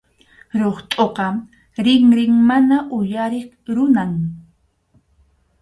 Ruqtʼuqa rinrin mana uyariq runam.